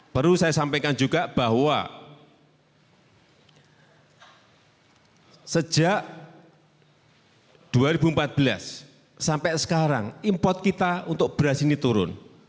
perlu saya sampaikan juga bahwa sejak dua ribu empat belas sampai sekarang import kita untuk beras ini turun